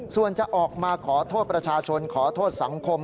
ส่วนจะออกมาขอโทษประชาชนขอโทษสังคม